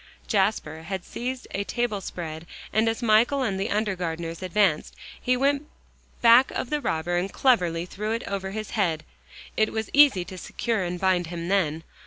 Jasper had seized a table spread, and as Michael and the undergardeners advanced, he went back of the robber, and cleverly threw it over his head. It was easy to secure and bind him then.